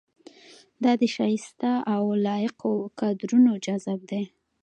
دا د شایسته او لایقو کادرونو جذب دی.